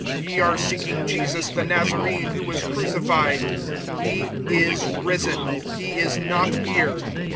Ye are seeking Jesus the Nazarene, who was crucified. He is risen; he is not here.